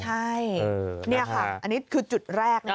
ใช่นี่ค่ะอันนี้คือจุดแรก